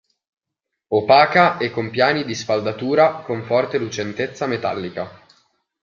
Opaca e con piani di sfaldatura con forte lucentezza metallica.